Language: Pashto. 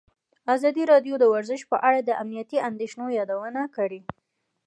ازادي راډیو د ورزش په اړه د امنیتي اندېښنو یادونه کړې.